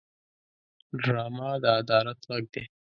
ډرامه د عدالت غږ دی